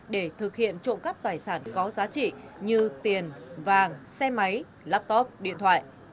để thực hiện trộm cắp tài sản có giá trị như tiền vàng xe máy laptop điện thoại